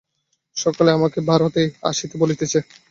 সকলেই আমাকে ভারতে আসিতে বলিতেছে।